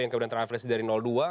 yang kemudian terapres dari dua